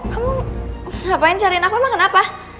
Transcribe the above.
kamu ngapain cariin aku emang kenapa